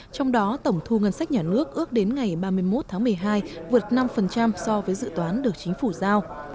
trong đó tổng thu ngân sách nhà nước ước đến ngày ba mươi một tháng một mươi hai vượt năm so với dự toán được chính phủ giao